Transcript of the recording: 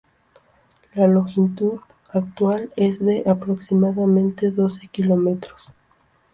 La longitud actual es de aproximadamente doce kilómetros.